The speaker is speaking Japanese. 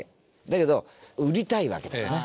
だけど売りたいわけだからね。